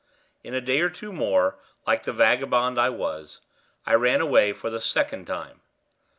In a day or two more, like the vagabond I was, I ran away for the second time.